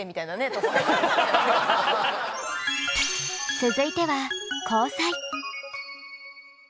続いては交際。